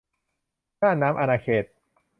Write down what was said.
น่านน้ำอาณาเขต